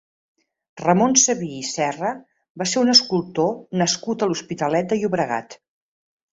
Ramon Sabí i Serra va ser un escultor nascut a l'Hospitalet de Llobregat.